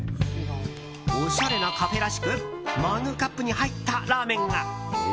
おしゃれなカフェらしくマグカップに入ったラーメンが。